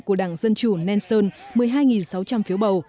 của đảng dân chủ nelson một mươi hai sáu trăm linh phiếu bầu